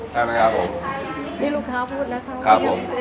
นี่ลูกค้าพูดนะครับ